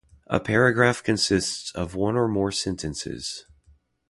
A paragraph consists of one or more sentences.